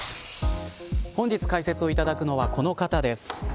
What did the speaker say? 本日解説をいただくのはこの方です。